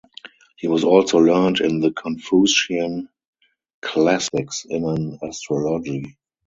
He was also learned in the Confucian classics and in astrology.